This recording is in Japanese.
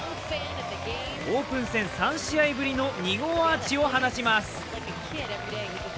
オープン戦３試合ぶりの２号アーチを放ちます。